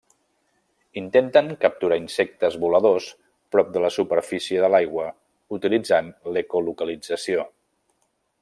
Intenten capturar insectes voladors prop de la superfície de l'aigua utilitzant l'ecolocalització.